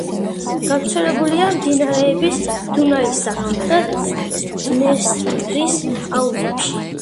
გავრცელებულია მდინარეების დუნაისა და დნესტრის აუზებში.